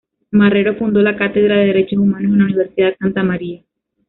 Marrero fundó la Cátedra de Derechos Humanos en la Universidad Santa María.